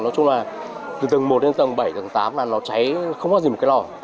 nói chung là từ tầng một đến tầng bảy tầng tám là nó cháy không có gì một cái lò